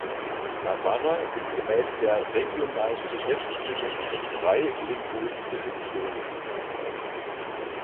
Navarra ist gemäß der regionalen Gesetzgebung in drei linguistische Zonen unterteilt.